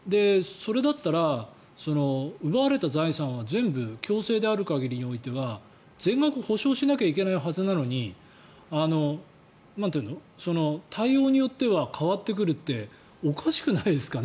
それだったら奪われた財産は全部、強制である限りにおいては全額補償しなければいけないはずなのに対応によっては変わってくるっておかしくないですかね。